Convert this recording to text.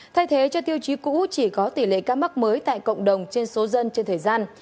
thay thế cho tiêu chí cũ chỉ có tỷ lệ ca mắc mới tại cộng đồng trên số dân trên thời gian